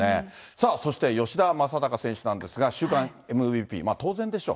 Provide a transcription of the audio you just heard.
さあ、そして吉田正尚選手なんですが、週間ＭＶＰ、当然でしょう。